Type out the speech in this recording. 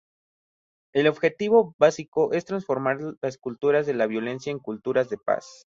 El objetivo básico es transformar las culturas de la violencia en culturas de paz.